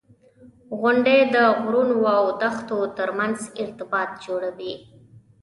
• غونډۍ د غرونو او دښتو ترمنځ ارتباط جوړوي.